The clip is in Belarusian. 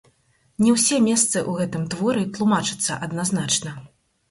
Не ўсе месцы ў гэтым творы тлумачацца адназначна.